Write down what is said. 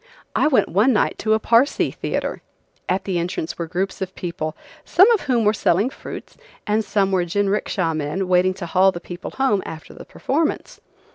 I went one night to a Parsee theatre. At the entrance were groups of people, some of whom were selling fruits, and some were jinricksha men waiting to haul the people home after the performance.